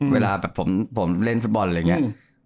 เวลาแบบผมเล่นฟุตบอลอะไรอย่างนี้